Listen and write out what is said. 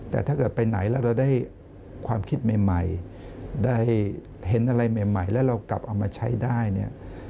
แต่ถ้าเกิดไปไหนแล้วเราได้ความคิดใหม่ได้เห็นอะไรใหม่แล้วเรากลับเอามาใช้ได้เนี่ย